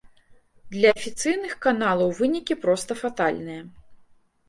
Для афіцыйных каналаў вынікі проста фатальныя.